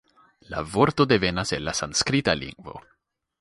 La vorto devenas el la sanskrita lingvo.